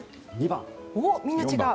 ２番。